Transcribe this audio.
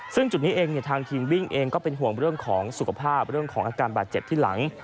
ซึ่งจุดนี้เองทางทีมวิ่งเองก็เป็นห่วงเรื่องของสุขภาพเรื่องของอาการบาดเจ็บที่หลัง